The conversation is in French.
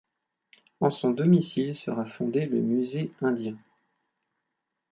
En son domicile sera fondé le Musée indien.